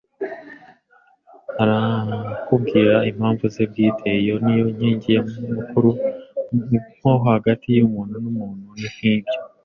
arakubwira. Impamvu ze bwite; iyo niyo nkingi nyamukuru; nko hagati y'umuntu n'umuntu. Nibyo,